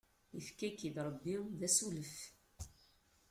Ifka-k-id Ṛebbi d asulef!